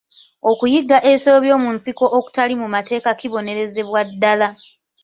Okuyigga ebisolo byomunsiko okutali mu mateeka kibonerezebwa ddala.